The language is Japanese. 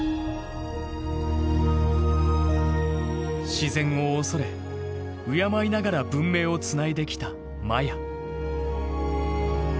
自然を恐れ敬いながら文明をつないできたマヤ。